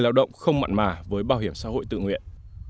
lao động không mặn mà với bảo hiểm xã hội tự nguyện